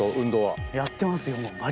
やってますよ。